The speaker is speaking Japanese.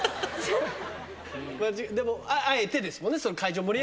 でもあえてですもんね？